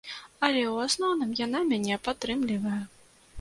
Але ў асноўным яна мяне падтрымлівае.